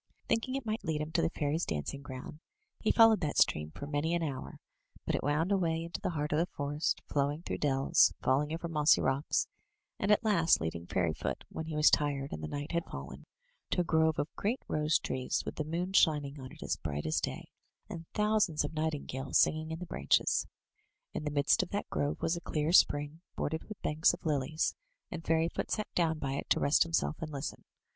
Thinking it might lead him to the fairies' dancing ground, he followed that stream for many an hour, but it wound away into the heart of the forest, flowing through dells, falling over mossy rocks, and at last leading Fairyfoot, when he was tired 19 MY BOOK HOUSE and the night had fallen, to a grove of great rose trees, with the moon shining on it as bright as day, and thousands of night ingales singing in the branches. In the midst of that grove was a clear spring, bordered with banks of lilies, and Fairyfoot sat down by it to rest himself and listen.